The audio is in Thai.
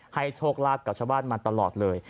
โชคลาภกับชาวบ้านมาตลอดเลย